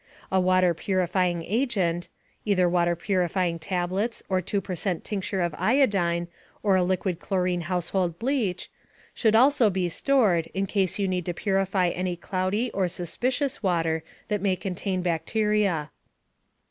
A water purifying agent (either water purifying tablets, or 2 percent tincture of iodine, or a liquid chlorine household bleach) should also be stored, in case you need to purify any cloudy or "suspicious" water that may contain bacteria.